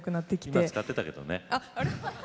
今使ってたけどね。